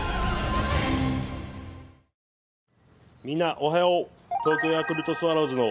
みんなおはよう。